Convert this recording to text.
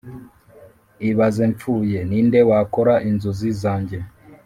Ibaze mpfuye ninde wakora inzozi zanjye